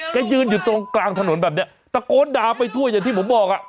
ยืนอยู่ตรงกลางถนนแบบเนี้ยตะโกนด่าไปทั่วอย่างที่ผมบอกอ่ะ